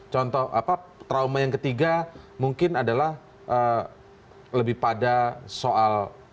contoh trauma yang ketiga mungkin adalah lebih pada soal